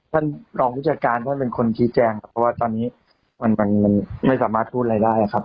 ท่านรองวิชาการท่านเป็นคนชี้แจงครับเพราะว่าตอนนี้มันไม่สามารถพูดอะไรได้ครับ